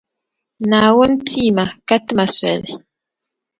Naawuni pii ma, ka ti ma soli.